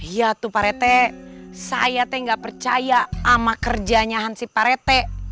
iya tuh pak rete saya gak percaya sama kerjanya si pak rete